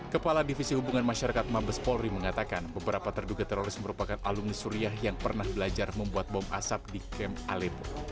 kepala divisi hubungan masyarakat mabes polri mengatakan beberapa terduga teroris merupakan alumni suriah yang pernah belajar membuat bom asap di kem alepo